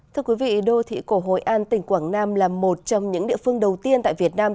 thưa quý vị đô thị cổ hội an tỉnh quảng nam là một trong những địa phương đầu tiên tại việt nam